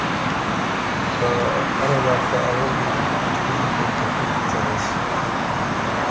که اره لاسته اول دی کُوتُو پِشتِنه کېم که تُور بُو څۀ غؤس؟